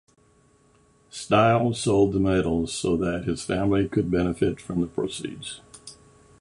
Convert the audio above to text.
Stiles sold the medals so that his family could benefit from the proceeds.